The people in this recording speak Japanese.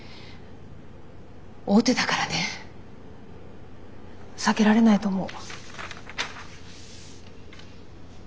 大手だからね避けられないと思う。